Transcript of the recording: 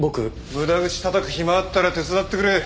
無駄口たたく暇あったら手伝ってくれ。